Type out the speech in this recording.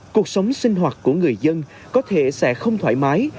cuộc sống sinh hoạt của người dân có thể sẽ không thoải mái